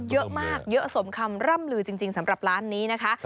เยอะมากเยอะสมคำร่ำลือจริงสำหรับร้านนี้นะคะ